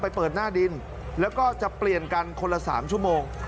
เปิดหน้าดินแล้วก็จะเปลี่ยนกันคนละ๓ชั่วโมง